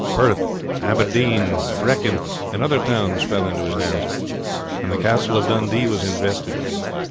Perth, Aberdeen, Brechin, and other towns fell into his hands, and the castle of Dundee was invested.